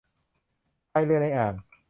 พายเรือในอ่าง